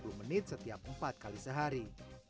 berdurasi dua puluh menit setiap empat kali sehari